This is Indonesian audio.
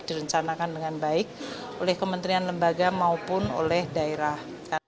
direncanakan dengan baik oleh kementerian lembaga maupun oleh daerah